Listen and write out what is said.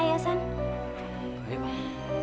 kita kesana ya san